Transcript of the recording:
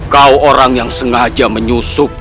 kau orang yang sengaja menyusup